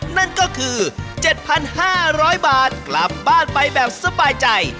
นั่นก็คือ๗๕๐๐บาทกลับบ้านไปแบบสบายใจ